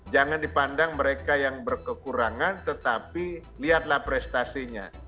jangan dipandang mereka yang berkekurangan tetapi lihatlah prestasinya